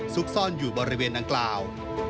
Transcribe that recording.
ซุกซ่อนอยู่บริเวณดังกล่าว